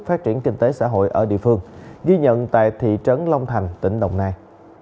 phát triển kinh tế xã hội ở địa phương ghi nhận tại thị trấn long thành tỉnh đồng nai